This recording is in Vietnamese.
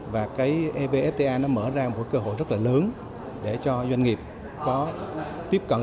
và ebfta mở ra một cơ hội rất là lớn để cho doanh nghiệp có tiếp cận